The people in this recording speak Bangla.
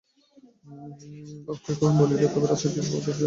অক্ষয় বলিল, তবে রাজমন্ত্রী-পদের জন্যে আমার দরবার উঠিয়ে নিলুম।